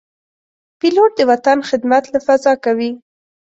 پیلوټ د وطن خدمت له فضا کوي.